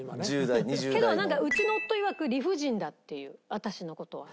けどうちの夫いわく「理不尽だ」って言う私の事は。